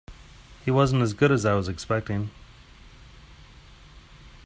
He wasn't as good as I was expecting.